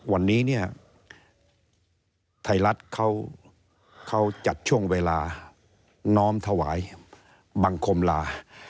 วันนี้เนี่ยไทยรัฐเขาจัดช่วงเวลาน้อมถวายบังคมลา